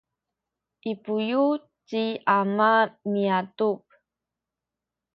i buyu’ ci ama miadup